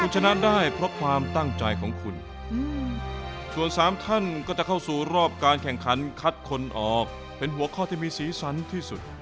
ชนะได้เพราะความตั้งใจของคุณส่วนสามท่านก็จะเข้าสู่รอบการแข่งขันคัดคนออกเป็นหัวข้อที่มีสีสันที่สุด